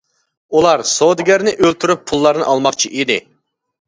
ئۇلار سودىگەرنى ئۆلتۈرۈپ پۇللارنى ئالماقچى ئىدى.